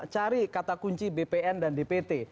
cari kata kunci bpn dan dpt